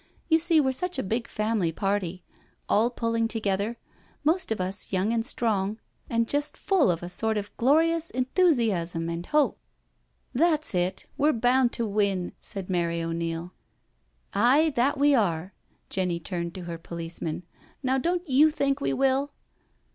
You see, we're such a big family party— all pulling together— most of us young and strong, and 88 NO SURRENDER just full of a sort of glorious enthusiasm and hope," •• That's it— we're bound to win," said Mary O'Neil. "Aye, that we are." Jenny turned to her police man* " Now don't yoa think we will?"